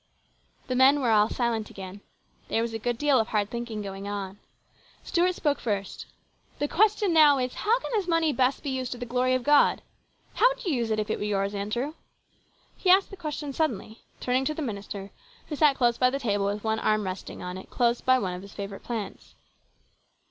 The men were all silent again. There was a good deal of hard thinking going on. Stuart spoke first :" The question now is, how can this money best be used to the glory of God ? How would you use it if it were yours, Andrew ?" He asked the question suddenly, turning to the minister, who sat close by the table with one arm resting on it, close by one of his favourite plants.